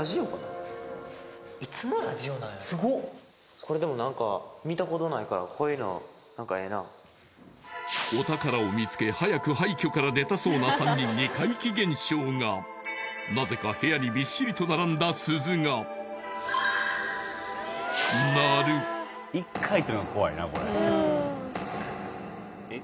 ここ明るい明るいなお宝を見つけ早く廃墟から出たそうな３人に怪奇現象がなぜか部屋にびっしりと並んだ鈴がえっ！？